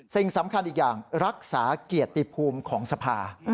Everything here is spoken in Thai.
สิ่งสำคัญอีกอย่างรักษาเกียรติภูมิของสภา